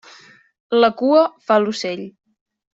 La cua fa l'ocell.